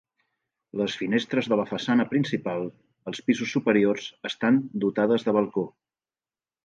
Les finestres de la façana principal, als pisos superiors, estan dotades de balcó.